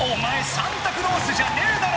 サンタクロースじゃねえだろ！